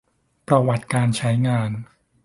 ประวัติการใช้งาน